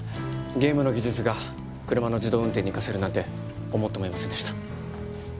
ゲームの技術が車の自動運転に生かせるなんて思ってもいませんでした